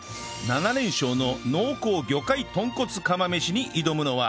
７連勝の濃厚魚介豚骨釜飯に挑むのは